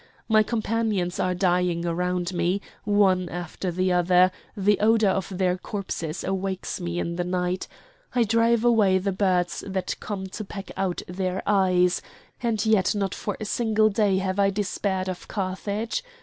My companions are dying around me, one after the other; the odour of their corpses awakes me in the night; I drive away the birds that come to peck out their eyes; and yet not for a single day have I despaired of Carthage!